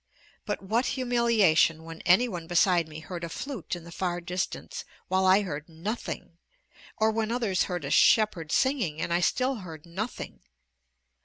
But what humiliation when any one beside me heard a flute in the far distance, while I heard nothing, or when others heard a shepherd singing, and I still heard _nothing!